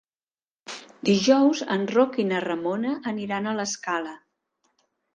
Dijous en Roc i na Ramona aniran a l'Escala.